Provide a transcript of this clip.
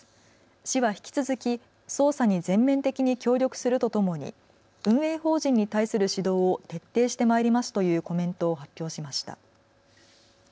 市は引き続き捜査に全面的に協力するとともに運営法人に対する指導を徹底してまいりますというコメントを発表しました。